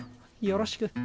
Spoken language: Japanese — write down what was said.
よろしく。